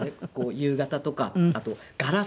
夕方とかあとガラス。